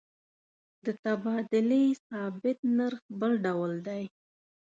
د تبادلې ثابت نرخ بل ډول دی.